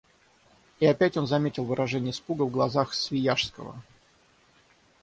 И опять он заметил выражение испуга в глазах Свияжского.